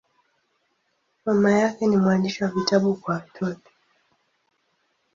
Mama yake ni mwandishi wa vitabu kwa watoto.